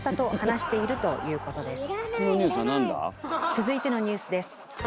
続いてのニュースです。